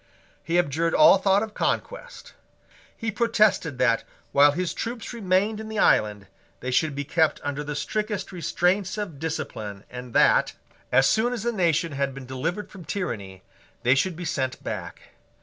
He abjured all thought of conquest. He protested that, while his troops remained in the island, they should be kept under the strictest restraints of discipline, and that, as soon as the nation had been delivered from tyranny, they should be sent back.